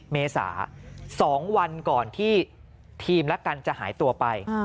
เมษา๒วันก่อนที่ทีมและกันจะหายตัวไป